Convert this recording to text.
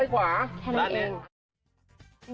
แค่นี้เอง